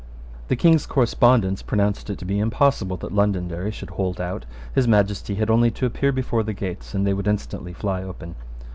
The King's correspondents pronounced it to be impossible that Londonderry should hold out. His Majesty had only to appear before the gates; and they would instantly fly open.